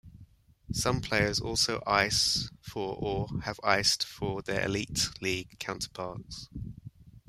Some players also ice for or have iced for their Elite League counterparts.